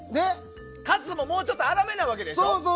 カツも、もうちょっと粗めなわけでしょ。